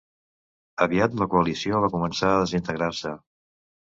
Aviat la Coalició va començar a desintegrar-se.